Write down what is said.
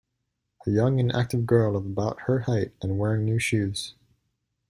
A young and active girl of about her height, and wearing new shoes.